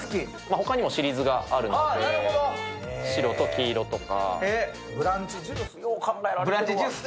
ほかにもシリーズがあるので、白と黄色とか。